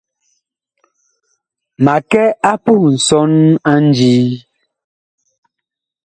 Ma kɛ a puh nsɔn a ndii.